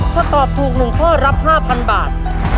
พอตอบถูกหนุ่มข้อรับ๕๐๐๐บาท